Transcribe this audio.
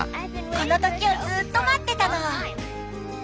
この時をずっと待ってたの。